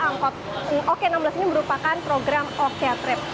angkut oko enam belas ini merupakan program oktrip